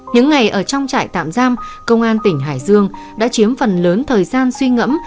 những ngày ở trong trại tạm giam công an tỉnh hải dương đã chiếm phần lớn thời gian suy ngẫm